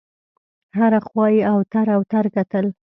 هره خوا یې اوتر اوتر کتل.